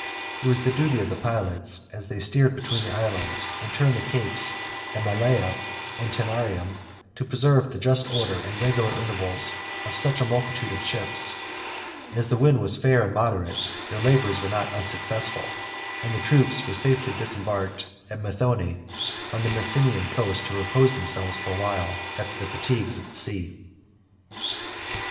It was the duty of the pilots, as they steered between the islands, and turned the Capes of Malea and Taenarium, to preserve the just order and regular intervals of such a multitude of ships: as the wind was fair and moderate, their labors were not unsuccessful, and the troops were safely disembarked at Methone on the Messenian coast, to repose themselves for a while after the fatigues of the sea.